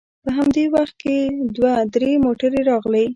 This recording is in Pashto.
په همدې وخت کې دوې درې موټرې راغلې.